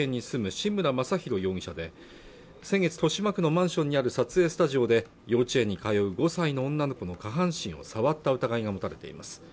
志村正浩容疑者で先月豊島区のマンションにある撮影スタジオで幼稚園に通う５歳の女の子の下半身を触った疑いが持たれています